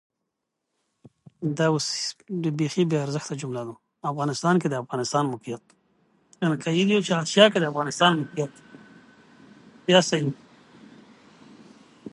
افغانستان کې د افغانستان د موقعیت د نن او راتلونکي لپاره ارزښت لري.